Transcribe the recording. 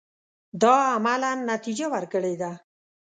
دا عملاً نتیجه ورکړې ده.